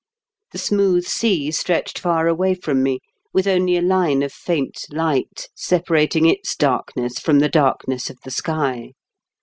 The smooth sea stretched far away from me, with only a line of faint light separating its darkness from the darkness of the sky.